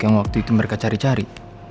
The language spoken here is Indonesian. yang waktu itu mereka cari cari